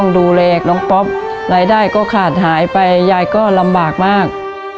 ดูแลน้องป๊อปรายได้ก็ขาดหายไปยายก็ลำบากมาก